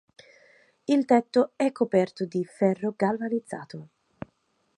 Il tetto è coperto di ferro galvanizzato.